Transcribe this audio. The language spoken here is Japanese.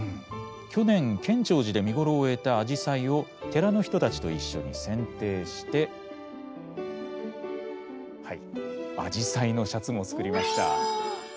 去年建長寺で見頃を終えた紫陽花を寺の人たちと一緒にせんていしてはい紫陽花のシャツも作りました。